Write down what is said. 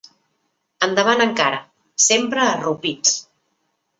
Endavant encara, sempre arrupits